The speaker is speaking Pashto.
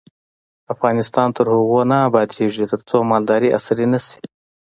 افغانستان تر هغو نه ابادیږي، ترڅو مالداري عصري نشي.